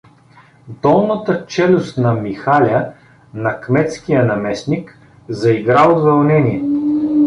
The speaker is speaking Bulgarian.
Долната челюст на Михаля, на кметския наместник, заигра от вълнение.